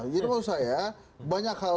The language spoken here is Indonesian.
jadi maksud saya banyak hal